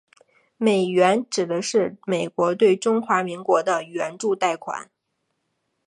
美援指的是美国对中华民国的援助贷款。